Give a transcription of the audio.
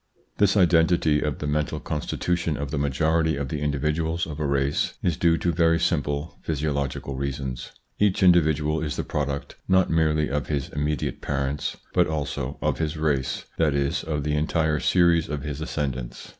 This identity of the mental constitution of the majority of the individuals of a race is due to very simple physiological reasons. Each individual is the product not merely of his immediate parents but also of his race, that is of the entire series of his ascend ants.